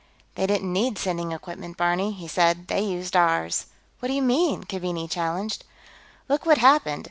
"They didn't need sending equipment, Barney," he said. "They used ours." "What do you mean?" Keaveney challenged. "Look what happened.